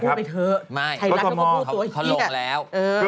ใครรักมัวพูดจะพูดตัวเหี้ย